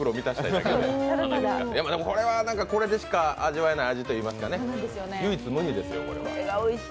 でも、これはこれでしか味わえない味といいますかね、唯一無二ですよ、これは。